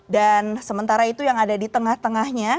dan sementara itu yang ada di tengah tengahnya